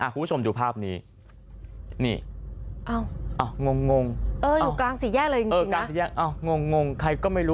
คุณผู้ชมดูภาพนี้นี่งงอยู่กลางสี่แยกเลยจริงงงใครก็ไม่รู้